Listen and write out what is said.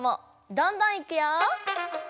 どんどんいくよ。